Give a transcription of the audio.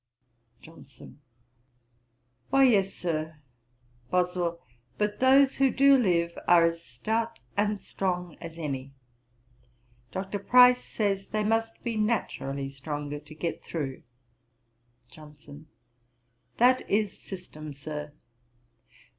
JOHNSON. 'Why, yes, Sir.' BOSWELL. 'But those who do live, are as stout and strong people as any: Dr. Price says, they must be naturally stronger to get through.' JOHNSON. 'That is system, Sir.